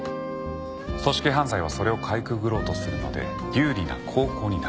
組織犯罪はそれをかいくぐろうとするので有利な後攻になる。